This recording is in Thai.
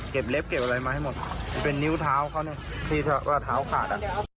เก็บเล็บเก็บอะไรมาให้หมดเป็นนิ้วเท้าเข้าในที่เท้าขาด